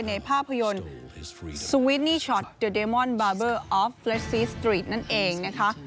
ในภาพยนตร์สวิดนี่ช็อตเดอร์เดมอนบาร์เบอร์ออฟเรสซีสตรีทนั่นเองนะคะ